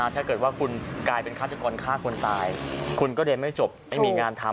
ถ้าเกิดว่าคุณกลายเป็นฆาตกรฆ่าคนตายคุณก็เรียนไม่จบไม่มีงานทำ